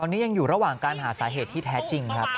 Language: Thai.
ตอนนี้ยังอยู่ระหว่างการหาสาเหตุที่แท้จริงครับ